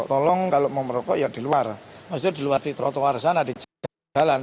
tolong kalau mau merokok ya di luar maksudnya di luar di trotoar sana di jalan